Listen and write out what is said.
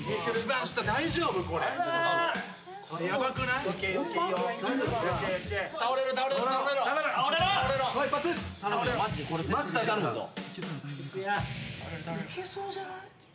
・いけそうじゃない？